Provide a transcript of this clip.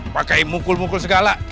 pakai mukul mukul segala